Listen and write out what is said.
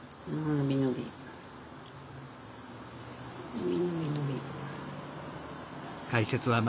伸び伸び伸び。